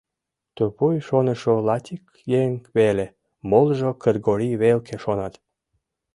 — Тупуй шонышо латик еҥ веле, молыжо Кыргорий велке шонат.